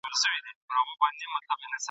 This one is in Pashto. د ځان په ویر یم غلیمانو ته اجل نه یمه !.